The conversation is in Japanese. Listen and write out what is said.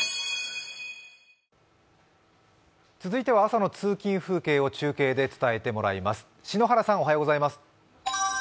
続いては朝の通勤風景を中継で伝えてもらいます。